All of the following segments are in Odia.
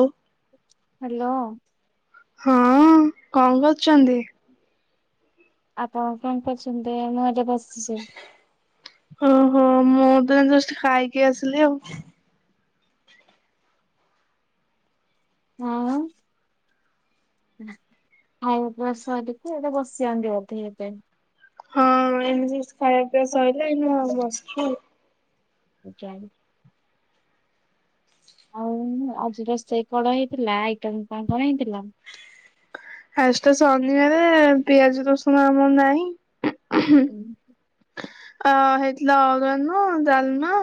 ହଁ। ହ୍ୟାଲୋ। ହଁ, କଣ କରୁଛନ୍ତି? ଆପଣ କଣ କରୁଛନ୍ତି? ଶଏ ମୁଁ ଏବେ ବସିଛି। ଓହୋ, ମୁଁ ତ ଏଇ ଜଷ୍ଟ ଖାଇକି ଆସିଲି ଆଉ। ନା [inaudible] ଖାଇବା ପିଇବା ସାରିକି ଏବେ ବସିଛନ୍ତି ବୋଧେ ଏବେ? ହଁ ଏଇନେ ଜଷ୍ଟ ଖାଇବା ପିଇବା ସଇଲା ଏଇନେ ଆଉ ବସିଛୁ। ମୁଁ ଜାଣି। ଆଉ ଆଜି ରୋଷେଇ କଣ ହେଇଥିଲା? ଆଇଟମ୍ କଣ କଣ ହେଇଥିଲା? ଆ ଜିତ ଶନିବାରେ ପିଆଜ ରସୁଣ ଆମର ନାହିଁ। ହୁଁ, ହୁଁ। ଆ ହେଇଥିଲା ଆରୁଆର୍ଣ୍ଣ ଡାଲମା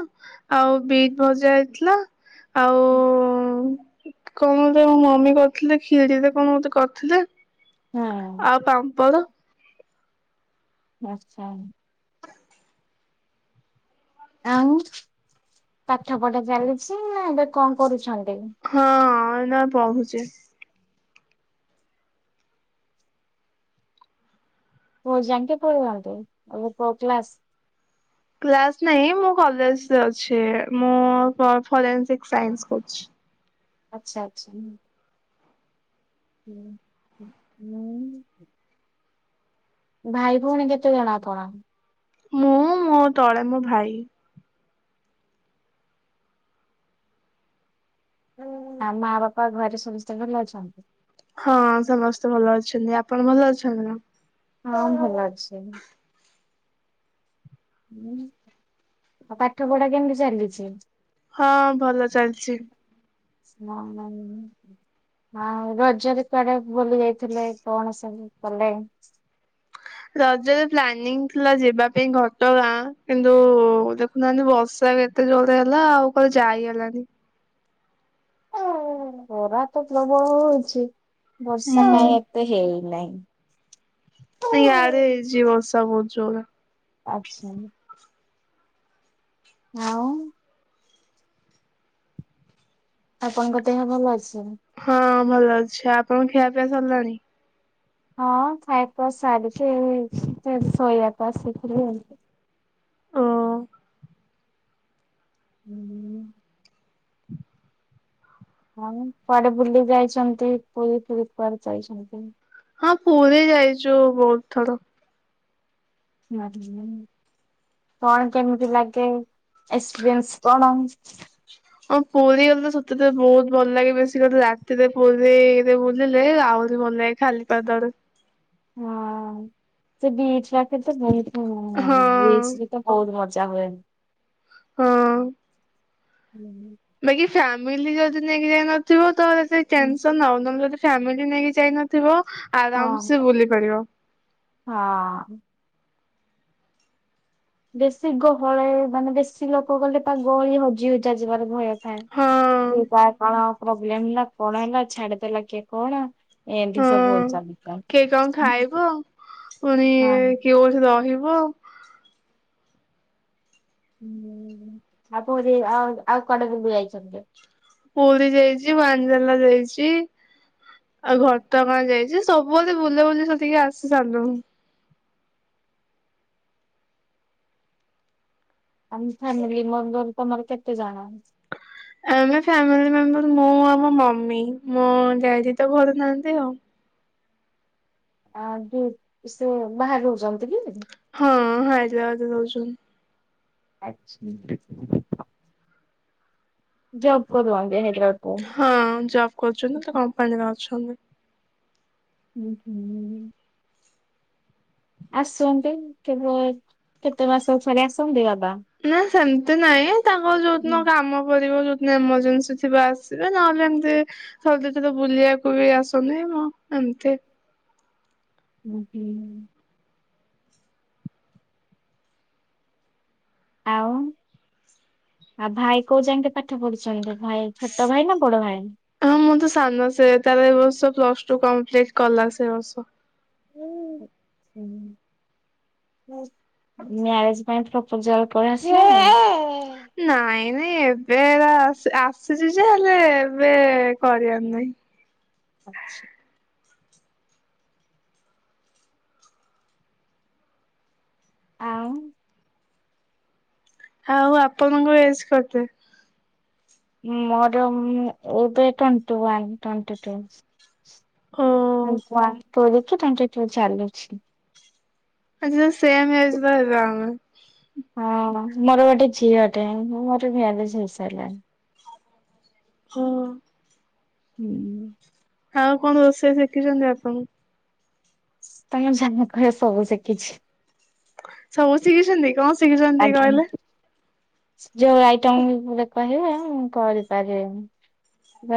ଆଉ ବିଟ୍ ଭଜା ହେଇଥିଲା। ଆଉ କଣ ଗୋଟେ ମମି କରିଥିଲେ ଖିରିରେ କଣ ଗୋଟେ କରିଥିଲେ। ହଁ ଆଉ ପାମ୍ପଡ। ଆଚ୍ଛା। ଆଉ ପାଠ ପଢା ଚାଲିଚି ନା ଏବେ କଣ କରୁଛନ୍ତି? ହଁ ଏଇନା ପଢୁଚି। କୋଉ ଜାଙ୍କେ ପଢ଼ିଛନ୍ତି ଏବେ କୋଉ କ୍ଲାସ୍? କ୍ଲାସ୍‌ ନାଇଁ ମୁଁ କଲେଜ୍‌ ଯାଉଛି ମୁଁ ଫରେନ୍ସିକ୍ ସାଇନ୍ସ କରୁଛି। ଆଚ୍ଛା ଆଚ୍ଛା। ହୁଁ ହୁଁ। ଭାଇ ଭଉଣୀ କେତେ ଜଣ ଆପଣ? ମୁଁ ମୋ ତଳେ ମୋ ଭାଇ। ମାମା ବାପା ଘରେ ସମସ୍ତେ ଭଲ ଅଛନ୍ତି? ହଁ ସମସ୍ତେ ଭଲ ଅଛନ୍ତି ଆପଣ ଭଲ ଅଛନ୍ତି ନା? ହଁ ଭଲ ଅଛନ୍ତି। ଉଁ ଆଉ ପାଠ ପଢା କେମିତି ଚାଲିଚି? ହଁ ଭଲ ଚାଲିଚି। ନା। [unintelligible] ଆଉ ରଜରେ କୁଆଡେ ବୁଲି ଯାଇଥିଲେ କଣ ସବୁ କଲେ? ରଜରେ ପ୍ଲାନିଂ ଥିଲା ଯିବା ପାଇଁ ଘଟଗାଁ କିନ୍ତୁ ଗୋ ନାଇଁ ନାଇଁ ବର୍ଷା ଏତେ ଜୋରରେ ହେଲା ଆଉ କୁଆଡ଼େ ଯାଇହେଲାନି। ଖରା ତ ପ୍ରବଳ ହୋଉଛି ବର୍ଷା ହୁଁ କାଇଁ ଏତେ ହେଇ ନାହିଁ। ଇଆଡେ ହେଇଚି ବର୍ଷା ବୋହୁତ ଜୋରରେ। ଆଚ୍ଛା। ହଁ। ଆପଣଙ୍କ ଦେହ ଭଲ ଅଛି? ହଁ ଭଲ ଅଛି ଆପଣଙ୍କ ଖିଆପିଆ ସରିଲାଣି? ହଁ ଖାଇଖୁଆ ସାରିକି ଏଇ ଶୋଇବାକୁ ଆସିଥିଲି ଆଉ। ଅ ହୁଁ। ଆଉ କୁଆଡେ ବୁଲି ଯାଇଛନ୍ତି ପୁରୀ ଫୁରୀ କୁଆଡେ ଯାଉଛନ୍ତି? ହଁ ପୁରୀ ଯାଇଚୁ ବହୁତ ଥର। ନାହିଁ ନାହିଁ। କଣ କେମିତି ଲାଗେ ଏକ୍ସପିରିଏନ୍ସ କଣ? ହଁ ପୁରୀ ଗଲେ ତ ସତରେ ବହୁତ ଭଲ ଲାଗେ ବେଶୀ କାଲି ରାତିରେ ପୁରୀରେ ବୁଲିଲେ ଆଉ ମୋ ଲାଗି ଖାଲି ପାଦରେ ହଁ ସେ ବିଚ୍ ପାଖରେ ତ ବୋହୁତ [unintelligible] ହଁ ବିଚ୍ ରେ ତ ବହୁତ ମଜା ହୁଏ। ହଁ। ହୁଁ। ବାକି ଫ୍ୟାମିଲି ଯଦି ନେଇକି ଯାଇ ନଥିବ ତ ସେ ହଁ ଟେନସନ୍‌। [unintelligible] ଫ୍ୟାମିଲି ନେଇକି ଯାଇନଥିବ ଆରାମ୍ ସେ ବୁଲିପାରିବ। ହଁ। ବେଶୀ ଗହଳ ମାନେ ବେଶୀ ଲୋକ ଗଲେ ତା ପାଗଳ ହଜି ହୁଜା ଯିବାର ଭୟ। ସେ ହଁ ତା କଣ ପ୍ରୋବ୍ଲେମ ହେଲା କଣ ହେଲା ଛାଡିଦେଲା କିଏ କଣ? ଏମିତି ହଁ ସବୁ ଚାଲିଥାଏ କିଏ କଣ ହଁ। ଖାଇବ ଫୁଣି କିଏ କୋଉଠି ରହିବ ହୁଁ ଆଉ ପୁରୀ ଆଉ ଆଉ କୁଆଡେ ବୁଲିଯାଇଛନ୍ତି? ପୁରୀ ଯାଇଚି, ବାଞ୍ଜଲା ଯାଇଚି, ଆଉ ଘଟଗାଁ ଯାଇଚି। ସବୁବେଳେ ବୁଲା ବୁଲି କରିକି ଆସିସାରିଲୁଣି। ଆମ ଫ୍ୟାମିଲି ମେମ୍ବର ତମର କେତେ ଜଣ? ଆମେ ଫ୍ୟାମିଲି ମେମ୍ବର ମୁଁ ଆଉ ମୋ ମମି। ମୋ ଡ଼ାଡି ତ ଘରେ ନାହାନ୍ତି ଆଉ। ଆ ଦ ସେ ବାହାରେ ରହୁଛନ୍ତି କି? ହଁ ହାଇଦ୍ରାବାଦରେ ରହୁଛନ୍ତୀ। ଆଛା। ଜବ କରୁଛନ୍ତି ହାଇଦ୍ରାବାଦରେ। ହଁ ଜବ୍ କରୁଛନ୍ତି ତ କମ୍ପାନୀରେ ଅଛନ୍ତି। ହୁଁ ହୁଁ। ଆସନ୍ତି କେବେ କେତେ ମାସରେ ଥରେ ଆସନ୍ତି ବାବା? ନା ସେମିତି ନାଇଁ, ତାଙ୍କର ହୁଁ ଯୋଉଦିନ କାମ ପଡ଼ିବ ଯୋଉ ନା ଏମରଜେନ୍ସି ଥିବ ଆସିବେ ନହେଲେ ଏମତି ଥରେ ଦିଥର ବୁଲିବାକୁ ବି ଆସନ୍ତୀ ମ ଏମିତି। ହୁଁ, ହୁଁ। ଆଉ ଆଉ ଭାଇ କୋଉଜାଙ୍କେ ପାଠ ପଢିଛନ୍ତି ଭାଇ? ଛୋଟ ଭାଇ ନା ବଡ ଭାଇ? ହଁ ମୁଁ ତ ସାନ ସେ ତାର ଏ ବର୍ଷ ପ୍ଲସ ଟୁ କମ୍ପ୍ଲିଟ କଲା ସେ ଏ ବର୍ଷ। [inaudible] ମ୍ୟାରେଜ ପାଇଁ ପ୍ରପୋଜାଲ ପଳେଇଆସିଲାଣି? ନାଇଁ ନାଇଁ ଏବେ ଏରା ଆସିଛି ଯେ ହେଲେ ଏବେ କରିବାର ନାଇଁ। ଆଛା। ଆଉ ଆଉ ଆପଣଙ୍କ ଏଜ କେତେ? ମୋର ଏବେ ଟୋଣ୍ଟି ୱାନ ଟୋଣ୍ଟି ଟୁ। ଓ ୱାନ୍ ପୁରିକି ଟ୍ବେଣ୍ଟି ଟୁ ଚାଲିଛି। ଆଛା ସେମ ଏଜର ହେବା ଆମେ। ହଁ ମୋର ଗୋଟେ ଝିଅଟେ ମୋର ମ୍ୟାରେଜ୍ ହେଇସାରିଲାଣି। ହଁ। ହୁଁ। ଆଉ କଣ ରୋଷେଇ ଶିଖିଛନ୍ତି ଆପଣ? ତମେ ଜାହା କହିବ ସବୁ ଶିଖିଛି। ସବୁ ଶିଖିଛନ୍ତି କଣ ଶିଖିଛନ୍ତି ଦେଖି ଆଜ୍ଞା। କହିଲେ? ଯୋଉ ଆଇଟମ କହିବେ, ମୁ କରିପାରିବି।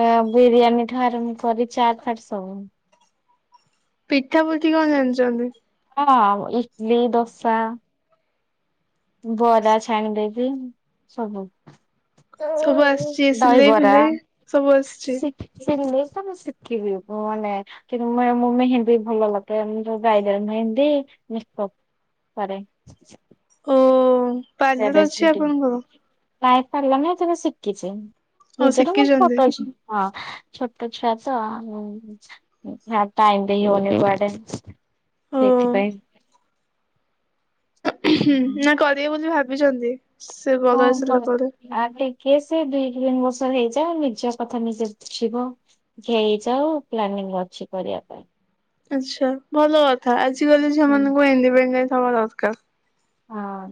ଆ ବିରିୟାନୀଠୁ ଆରମ୍ଭ କରି ଚାଟ୍ ଫାଟ ସବୁ। ପିଠା ପୁଠୀ କଣ ଜାଣିଛନ୍ତି? ହଁ ଇଟଲି, ଦୋସା। ବରା ଛାଣି ଦେବି ସବୁ। ସବୁ ଆସିଛି ସିଲେଇ ଦହିିବରା ଫିଲେଇ ସବୁ ଆସିଛି ଶିଖି ଜିନିଷ ମୁ ଶିଖିବି ମୁ ମାନେ କିନ୍ତୁ ମୁ ମୁଁ ମେହେନ୍ଦୀ ଭଲ ଲଗାଏ ମୁ ଯୋଉ ବ୍ରାଇଡାଲ ମେହେନ୍ଦୀ ମେକ୍ ଅପ ପାରେ। ଓ ପାର୍ଲର ଅଛି ଆପଣଙ୍କର? ନାଇ ପାର୍ଲର ନାଇ ଏ ଶିଖିଛି ଆଉ ନିଜର ମୋ ଶିଖିଛନ୍ତି ଫଟ ଅଛ। ହଁ ଛୋଟ ଛୁଆ ତ ଆଉ ହିଆଡେ ଟାଇମ ଦେଇହୋଉନି କୁଆଡେ ଓ ସେଇଥିପାଇଁ ହୁଁ ନା କରିବେ ବୋଲି ଭାବିଛନ୍ତି ସେ ହଁ ବଡ ହେଇସାରିଲା କହ। ପରେ? ଆ ଟିକେ ସେ ଦି ତିନି ବର୍ଷର ହେଇଯାଉ ନିଜ କଥା ନିଜେ ବୁଝିବ ହେଇଯାଉ ପ୍ଲାନିଂ ଅଛି କରିବା ପାଇଁ। ଆଛା ଭଲ କଥା ଆଜିକାଲି ଝିଅ ହଁ ମାନଙ୍କୁ ଇଣ୍ଡିପିଡେଣ୍ଟ ହବା ଦରକାର। ହଁ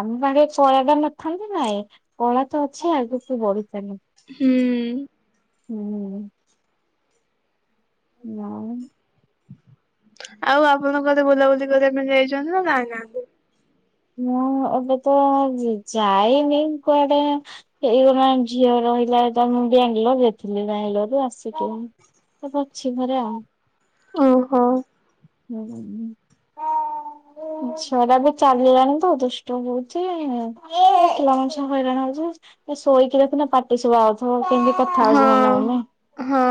ଆମ ପାଖରେ କଳାଟା ନଥାନ୍ତି ନାଇଁ କଳା ତ ଅଛି ଆଗକୁ ବଢିଚାଲ। ହୁଁ। ହୁଁ। ଆଉ? ଆଉ ଆପଣ କୁଆଡ଼େ ବୁଲା ବୁଲି କରିବା ପାଇଁ ଯାଇଚନ୍ତିନା ଯାଇନାହାନ୍ତି? ମୁଁ ଏବେତ ଯା ଯାଇନି କୁଆଡ଼େ ହେଇଗଲାଣି ଝିଅ ରହିଲାତ ଯେତେଳେ ମୁଁ ବାଙ୍ଗାଲୋରେ ଥିଲି ବାଙ୍ଗାଲୋରରୁୁ ଆସିକି ଏବେ ଅଛି ଘରେ ଆଉ। ଓହୋ। ଝିଅଟାବି ଚାଲି ଲାଣିତ ଦୁଷ୍ଟ ହଉଚି ପିଲା ମାନେ ସବୁ ହଇରାଣ ହଉଚି ଏ ଶୋଇକି ଦେଖୁନ ପାଟି ସୁବା ହଉଚି। ହୋ କେମିତି କଥା ହଉଚି ମନେ ମନେ। ହଁ ହଁ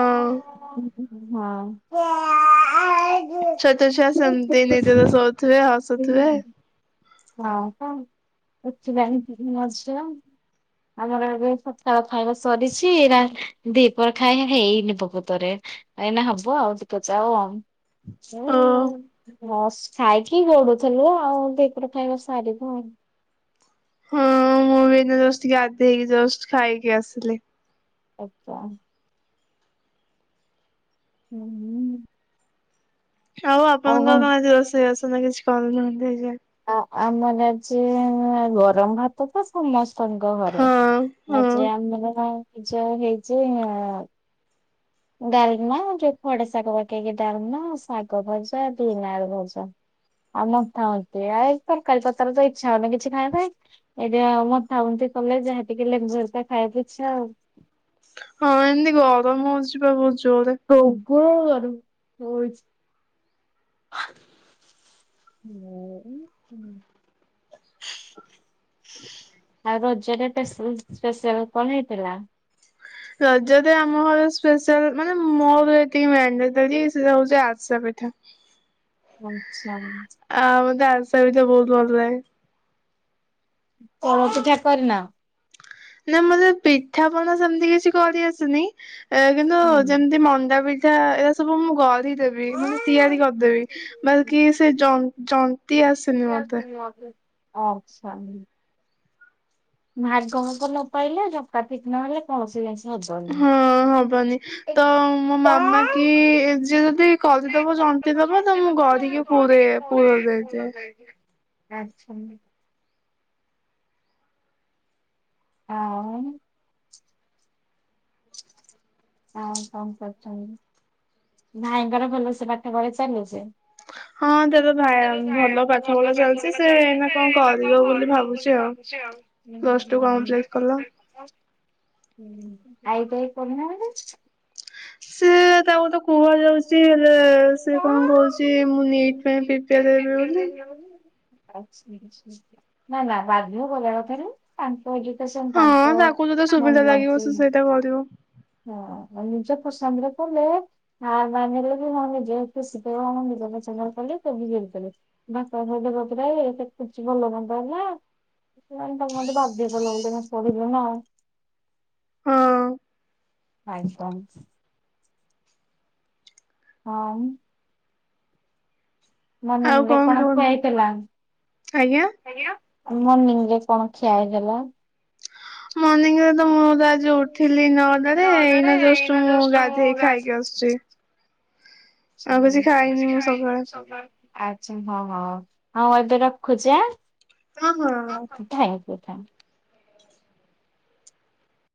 ହଁ। ଛୋଟ ଛୁଆ ସେମତି ନିଜେତ ଶୋଉଥିବେ ହସୁଥିବେ। ଆଉ କଣ ଉଠିଲାଣି ମୋଝିଅ। ଆମର ଏବେ ସକାଳ ଖାଇବା ସରିଛି ରା ଦିପର ଖାଇବା ହେଇନି ପ୍ରକୃତରେ। ଏଇନା ହବ ଆଉ ଟିକେ ଯାଉ ଆଉ। ମୁଁ ଓ ଜଷ୍ଟ ଖାଇକି ଗଡ଼ୁଥିଲୁ ଆଉ ଟି ଏପଟ ଖାଇବା ସାରିବୁ ଆଉ। ହଁ ମୁଁବି ଏଇନା ଜଷ୍ଟ ଟିକେ ଗାଧେଇକି ଜଷ୍ଟ୍ ଖାଇକି ଆସିଲି। ଆଚ୍ଛା। ହୁଁ ହୁଁ। ଆଉ ଆପଣଙ୍କ କଣ ଆଜି ରୋଷେଇ ବାସ ନାକିଛି କରିନାହାନ୍ତି ଏଇଯାଏ? ଆ ଆମର ଆଜି ଗରମ ଭାତତ ସମସ୍ତଙ୍କ ଘରେ ହଁ ଆ ହଁ ଆଜି ଆମର ସିଝା ହେଇଚି ଆଉ। ଡ଼ାଲମା ଯୋଉ ଖଡ଼ା ଶାଗ ପକେଇକି ଡ଼ାଲମା ଶାଗ ଭଜା ବିନ୍ ଆଳୁ ଭଜା। ଆମରଥାନ୍ତି ଆ ତରକାରୀ ପତରତ ଇଚ୍ଛା ହଉନି କିଛି ଖାଇବାପାଇଁ। ଏଇଟି ଆମ ଥାଉନ୍ତି କଲେଜ୍ ଯାହା ଟିକେ ଲେମ୍ଵୁ ଫେମ୍ବୁ ଖାଇବାକୁ ଇଛା ଆଉ। ହଁ ଏମିତି ଗରମ ହଉଚିପା ବହୁତ୍ ଜୋରେ। ପ୍ରବଳ ଗରମ ହଉଚି? ଆଉ। ଆଉ ରଜରେ ପେସି ସ୍ପେଶାଲ କଣ ହେଇଥିଲା? ରଜରେ ଆମ ଘରେ ସ୍ପେଶାଲ ମାନେ ମୋର ଏତିକି ମଣ୍ଡେଟରୀ ହଉଚି ଆରିସା ପିଠା। [inaudible] ଆଚ୍ଛା। ଆଉ ମତେ ଆରିସା ପିଠା ବହୁତ୍ ଭଲ ଲାଗେ। ପୋଡ଼ ପିଠା କରିନ? ନା ମତେ ପିଠା ପଣା ସେମିତି କିଛି କରି ଆସେନି କିନ୍ତୁ ଯେମତି ମଣ୍ଡା ପି ଠା ଏରା ସବୁ ମୁଁ ଗରିଦେବି ମାନେ ତିଆରି କରିଦେବି ବାକି ସେ ଜ ଜନ୍ତି ଆସି ଜନ୍ତିଆସେନି ମତେ ଆଛା ଭାଗ ମାପ ନପାଇଲେ ଜନ୍ତା ପିଠା ନହେଲେ କୌଣସି ଜିନିଷ ହବନି। ହଁ ହବନି ତ ମୋ ମାମାକି ଯିଏ ଯଦି କରିଦବ ଜନ୍ତି ଦବ ତମୁଁ ଗଡ଼ିକି ଗଡ଼ିକି ପୁରେ ପୁରଦେଇଦିଏ ଆଚ୍ଛା। ଆଉ। ଆଁ କଣ କରୁଚନ୍ତି? ଭାଇଙ୍କର ଭଲସେ ପାଠପଢା ଚାଲୁଚି? ହଁ ତାର ଭା ଭଲ ପାଠପଢ଼ା ଚାଲିଚି ସେଏଇନା କଣ କରିବ ବୋଲି ଭାବୁଚି ଆଉ। ପ୍ଲସ୍ ଟୁ କମ୍ପ୍ଲିଟି କଲା। ହୁଁ ଆଇଟାଇ କରୁନାହାନ୍ତି। ସେ ତାକୁତ କୁହାଯାଉଛି ହେଲେ ସେ କଣ କହୁଛି ମୁଁ ନିଟ୍ ପାଇଁ ପ୍ରିପେୟାର ହେବି ବୋଲି। ନା ନା ବାଧ୳ କରିବା କଥା ନୁହଁ। ତାଙ୍କ ଏଜୁକସନ ତାଙ୍କ ମନ ଲାଗଚି। କେତେ ପଢିବ। ହଁ ଆଉ ନିଜ ପସନ୍ଦରେ କଲେ ହଁ ମାନେଲେ ବି ମୁଁ କହିଲି ଯେହେତୁ ଶୀତ [unintelligible] କଲେ। [unintelligible] ତାକୁ ମତେ ବାଧ୍ୟ କଲ ବୋଲି ପଢିଲୁ ନା ଆଉ। ହଁ ଆଇକମ ହଁ ଆଉ ଆଉ ମନଙ୍ଗି ରେ କଣ କଣକି କୁହନ୍ତୁ ହେଇଥିଲା। ଆଜ୍ଞା ମନିିଙ୍ଗ ରେ କଣ ଖିଆ ହେଇଥିଲା। ମର୍ଣିିଂ ରେ ତ ମୁଁ ତ ଆଜି ଉଠିଲି ନଅଟାରେ ଏଇନା ଜଷ୍ଟ ମୁଁ ଗାଧେଇ ଖାଇକି ଆସୁଛି। ଆଉ କିଛି ମୁଁ ଖାଇନି ସକାଳେ ସକାଳୁ ଆଛା ହଁ ହଁ ଏବେ ରଖୁଛି ଆଁ। [unintelligible] Thank you thank